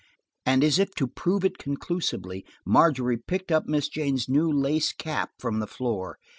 And as if to prove it conclusively, Margery picked up Miss Jane's new lace cap from the floor.